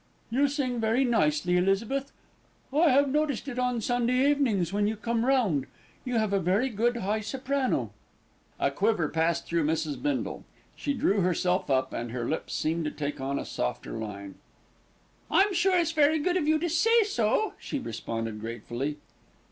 "You sing very nicely, Elizabeth. I have noticed it on Sunday evenings when you come round. You have a very good high soprano." A quiver passed through Mrs. Bindle. She drew herself up, and her lips seemed to take on a softer line. "I'm sure it's very good of you to say so," she responded gratefully.